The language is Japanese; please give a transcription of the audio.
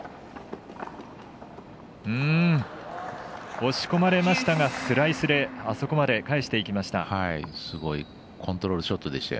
押し込まれましたがスライスであそこまで返していきました。